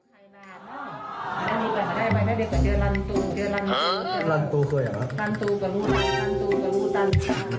อ๋อลันตูเคยอ่ะลันตูกับลูกตันลันตูกับลูกตัน